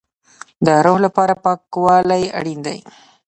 د روح لپاره پاکوالی اړین دی